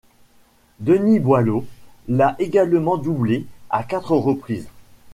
Denis Boileau l'a également doublé à quatre reprises.